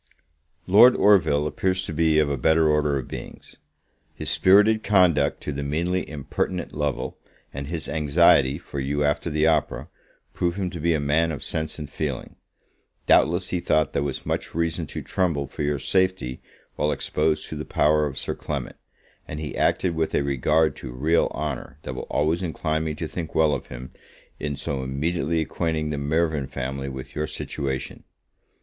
Lord Orville appears to be of a better order of beings. His spirited conduct to the meanly impertinent Lovel, and his anxiety for you after the opera, prove him to be a man of sense and feeling. Doubtless he thought there was much reason to tremble for your safety while exposed to the power of Sir Clement; and he acted with a regard to real honour, that will always incline me to think well of him, in so immediately acquainting the Mirvan family with your situation.